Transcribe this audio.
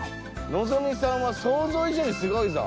のぞみさんは想像以上にすごいぞ！